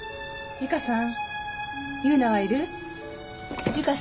由香さん？